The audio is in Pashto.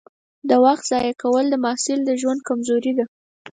د وخت ضایع کول د محصل ژوند کمزوري ده.